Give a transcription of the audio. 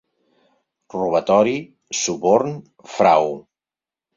Robatori, suborn, frau